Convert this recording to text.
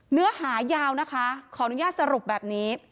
เนื้อหายาวนะคะขออนุญาตสรุปแบบนี้